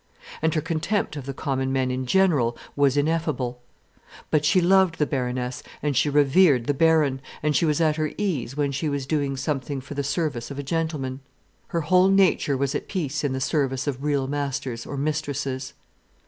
And her contempt of the common men in general was ineffable. But she loved the Baroness, and she revered the Baron, and she was at her ease when she was doing something for the service of a gentleman. Her whole nature was at peace in the service of real masters or mistresses.